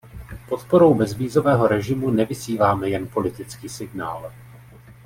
Podporou bezvízového režimu nevysíláme jen politický signál.